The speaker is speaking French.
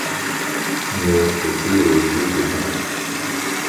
n'est que pur jeu de mots.